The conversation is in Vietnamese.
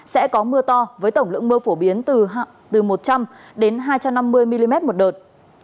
sẽ có mưa to với tổng lượng mưa phổ biến từ một trăm linh đến hai trăm năm mươi mm một đợt